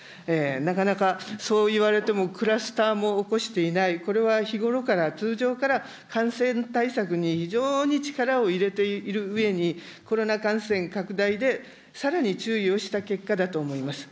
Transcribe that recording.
なかなかそう言われてもクラスターも起こしていない、これは日頃から、通常から感染対策に非常に力を入れているうえに、コロナ感染拡大でさらに注意をした結果だと思います。